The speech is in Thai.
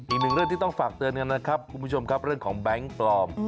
อีกหนึ่งเรื่องที่ต้องฝากเตือนกันนะครับคุณผู้ชมครับเรื่องของแบงค์ปลอม